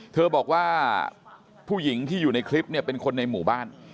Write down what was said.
เธอบอกว่าผู้หญิงที่อยู่ในคลิปเนี่ยเป็นคนในหมู่บ้าน